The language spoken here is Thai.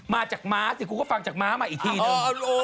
มาจากม้าสิคุณก็ฟังจากม้ามาอีกทีนึง